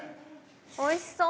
おいしそう！